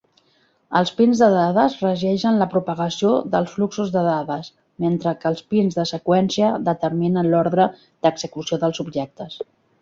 Els pins de dades regeixen la propagació dels fluxos de dades, mentre que els pins de seqüència determinen l'ordre d'execució dels objectes.